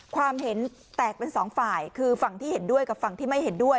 ความเห็นแตกเป็นสองฝ่ายคือฝั่งที่เห็นด้วยกับฝั่งที่ไม่เห็นด้วย